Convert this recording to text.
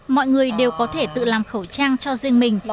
mọi người đều có thể tự làm khẩu trang cho riêng mình